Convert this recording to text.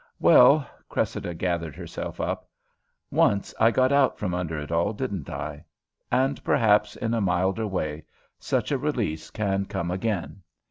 "Well," Cressida gathered herself up, "once I got out from under it all, didn't I? And perhaps, in a milder way, such a release can come again.